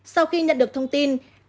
sau khi nhận được thông tin